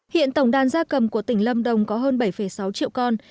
hiện tổng đàn gia cầm của tỉnh lâm đồng có hơn bảy sáu triệu con